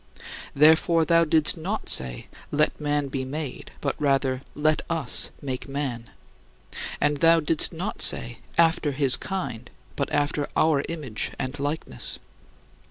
" Therefore thou didst not say, "Let man be made," but rather, "Let us make man." And thou didst not say, "After his kind," but after "our image" and "likeness."